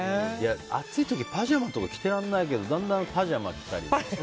暑い時、パジャマとか着てられないけどだんだんパジャマを着たり。